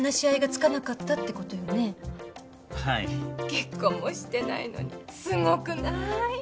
結婚もしてないのにすごくない？